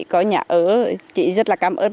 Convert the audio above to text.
có nhà ở chị rất là cảm ơn